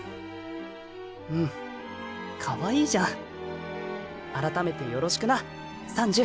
うんかわいいじゃん改めてよろしくなサンジュ。